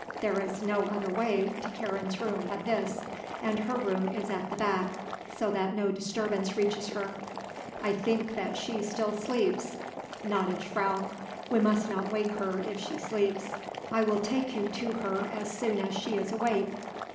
There is no other way to Karen's room but this, and her room is at the back, so that no disturbance reaches her. I think that she still sleeps, gnädige Frau; we must not wake her if she sleeps. I will take you to her as soon as she is awake."